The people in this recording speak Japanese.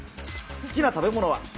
好きな食べ物は。